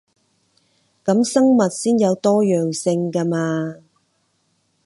噉生物先有多樣性 𠺢 嘛